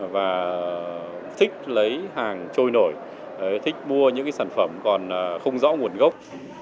và thích lấy hàng trôi nổi thích mua những sản phẩm còn không rõ nguồn gốc